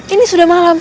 ini sudah malam